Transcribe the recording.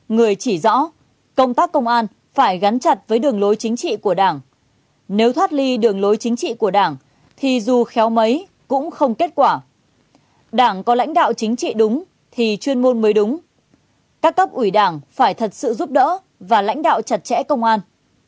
người chỉ rõ công tác công an phải gắn chặt với đường lối chính trị của đảng nếu thoát ly đường lối chính trị của đảng thì dù khéo mấy cũng không kết quả đảng có lãnh đạo chính trị đúng thì chuyên môn mới đúng các cấp ủy đảng phải thật sự giúp đỡ và lãnh đạo chặt chẽ công an